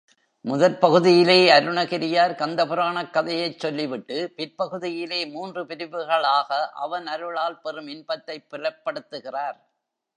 முதற்பகுதியிலே அருணகிரியார் கந்தபுராணக் கதையைச் சொல்லிவிட்டு, பிற்பகுதியிலே மூன்று பிரிவுகளாக அவன் அருளால் பெறும் இன்பத்தைப் புலப்படுத்துகிறார்.